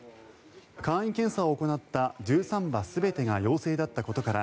簡易検査を行った１３羽全てが陽性だったことから